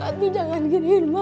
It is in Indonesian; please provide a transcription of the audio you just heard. tidak jangan giniin